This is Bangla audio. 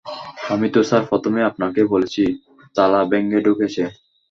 আমি তো স্যার প্রথমেই আপনাকে বলেছি তালা ভেঙে ঢুকেছে।